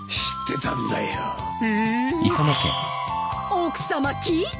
奥さま聞いて。